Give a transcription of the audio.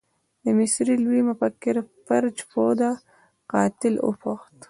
د مصري لوی مفکر فرج فوده قاتل وپوښت.